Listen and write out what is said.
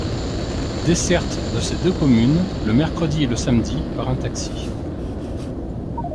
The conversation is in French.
Desserte de ces deux communes le mercredi et le samedi par un taxi.